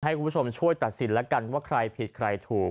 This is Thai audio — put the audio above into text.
ให้คุณผู้ชมช่วยตัดสินแล้วกันว่าใครผิดใครถูก